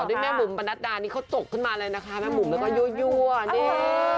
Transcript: แม่บุ๋มปนัดดานี่เขาตกขึ้นมาเลยนะคะแม่บุ๋มแล้วก็ยั่วนี่